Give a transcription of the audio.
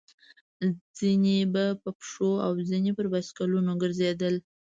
ځينې به په پښو او ځينې پر بایسکلونو ګرځېدل.